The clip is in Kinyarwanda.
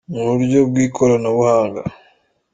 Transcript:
mu buryo bw’ikoranabuhanga.”